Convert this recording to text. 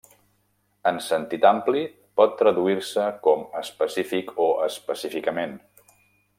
En sentit ampli pot traduir-se com específic o específicament.